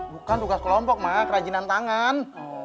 bukan tugas kelompok mah kerajinan tangan